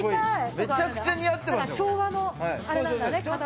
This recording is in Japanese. めちゃくちゃ似合ってますよ。